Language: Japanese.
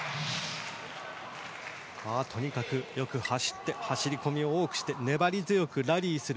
とにかくよく走って走り込みを多くして粘り強くラリーする。